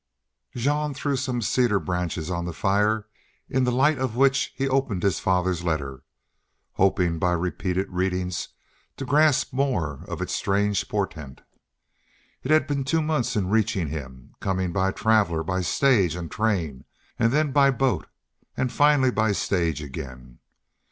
Jean threw some cedar branches on the fire, in the light of which he opened his father's letter, hoping by repeated reading to grasp more of its strange portent. It had been two months in reaching him, coming by traveler, by stage and train, and then by boat, and finally by stage again.